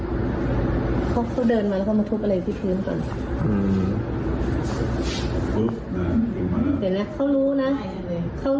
เขาเขาเดินมาแล้วเขามาทุบอะไรที่ทืมก่อนอืม